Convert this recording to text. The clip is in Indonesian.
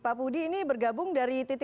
pak budi ini bergabung dari titik titik com